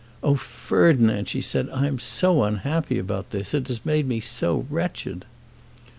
"Oh, Ferdinand," she said, "I am so unhappy about this. It has made me so wretched!"